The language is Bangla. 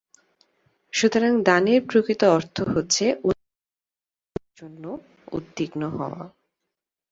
সুতরাং দানের প্রকৃত অর্থ হচ্ছে অন্যের উপকার করার জন্য উদ্বিগ্ন হওয়া।